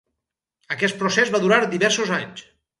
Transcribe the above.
Aquest procés va durar diversos anys.